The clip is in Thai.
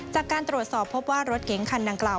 จากการตรวจสอบพบว่ารถเก๋งคันดังกล่าว